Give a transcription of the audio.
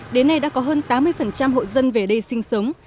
đến nay đã có hơn tám mươi hộ dân về đây sinh sống